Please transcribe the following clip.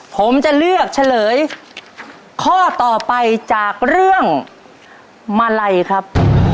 ผมจะเลือกเฉลยข้อต่อไปจากเรื่องมาลัยครับ